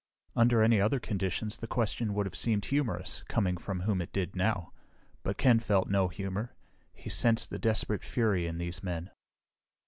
Under any other conditions, the question would have seemed humorous, coming from whom it did now. But Ken felt no humor; he sensed the desperate fury in these men.